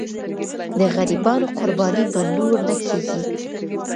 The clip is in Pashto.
د غریبانو قرباني به نور نه کېږي.